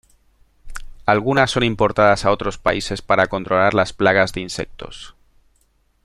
Algunas son importadas a otros países para controlar las plagas de insectos.